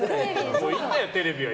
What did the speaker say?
もういいんだよ、テレビは！